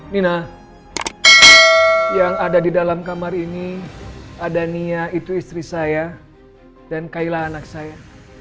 mina yang ada di dalam kamar ini ada nia itu istri saya dan kaila anak saya